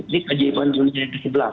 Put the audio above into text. di kjpan jurnalistik yang ke sebelas